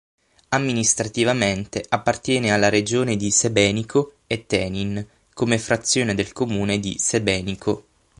Amministrativamente appartiene alla regione di Sebenico e Tenin come frazione del comune di Sebenico.